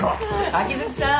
秋月さん！